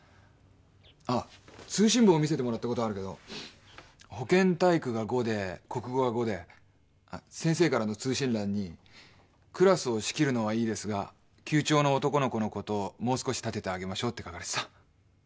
あ通信簿を見せてもらったことあるけど保健体育が「５」で国語が「５」で先生からの通信欄に「クラスを仕切るのはいいですが級長の男の子のことをもう少し立ててあげましょう」って書かれてた。